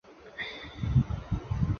按照她父亲的愿望她受洗礼。